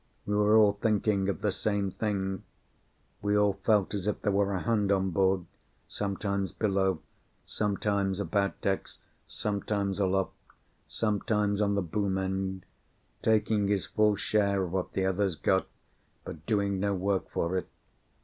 We were all thinking of the same thing. We all felt as if there were a hand on board, sometimes below, sometimes about decks, sometimes aloft, sometimes on the boom end; taking his full share of what the others got, but doing no work for it.